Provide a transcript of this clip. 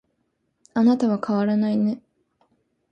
あなたは変わらないね